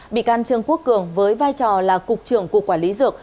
bị can trương quốc cường với vai trò là cục trưởng cục quản lý dược